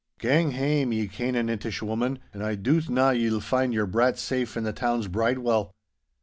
Gang hame, ye Canaanitish woman, and I doot na ye'll find your brat safe in the town's bridewell.